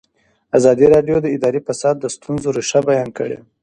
ازادي راډیو د اداري فساد د ستونزو رېښه بیان کړې.